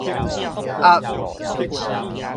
曷